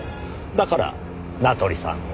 だから名取さんを。